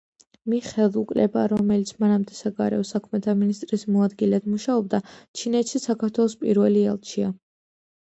მიხეილ უკლება, რომელიც მანამდე საგარეო საქმეთა მინისტრის მოადგილედ მუშაობდა, ჩინეთში საქართველოს პირველი ელჩია.